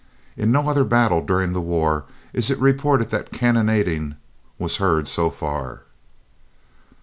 In no other battle during the war is it reported that cannonading was heard so far.